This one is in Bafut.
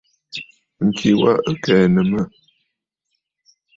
Ŋ̀ki wa ɨ kɛ̀ɛ̀nə̀ mə̂.